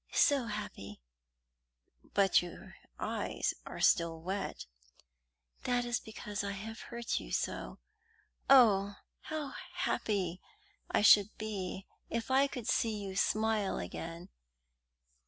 "So happy!" "But your eyes are still wet." "That is because I have hurt you so. Oh, how happy I should be if I could see you smile again!"